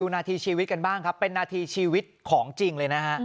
นาทีชีวิตกันบ้างครับเป็นนาทีชีวิตของจริงเลยนะฮะ